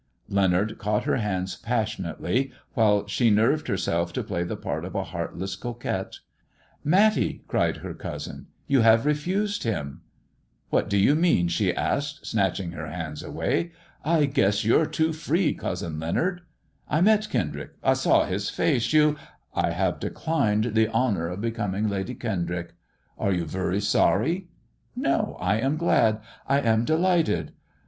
Leonard caught her hands passionately, while she nerved erself to play the part of a heartleaa coquette. "Matty," cried her cousin, "you have refused himi" " Buried her fsce in the sota eiuhians uid bunt iuto te&ra." " What do you mean t " ahe asked, snatching her handa away. " I guess you're too free, cousin Leonard." "I met Kendrick— I saw his face — you "" I have declined the honour of becoming Lady Kendrick. Are yon vnry aorry ?"" No, I am glad ! I am delighted